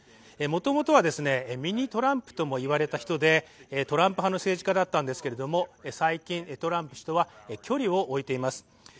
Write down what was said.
もともとはミニトランプとも言われた人でトランプ派の政治家だったんですけれども、最近、トランプ氏とは距離を置いています。